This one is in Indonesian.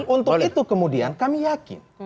untuk itu kemudian kami yakin